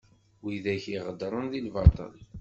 Widak i ɣedṛen di lbatel.